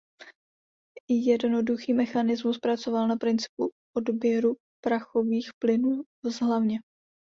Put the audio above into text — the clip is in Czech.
Jednoduchý mechanismus pracoval na principu odběru prachových plynů z hlavně.